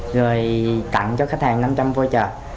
rồi tặng cho khách hàng năm trăm linh vô trợ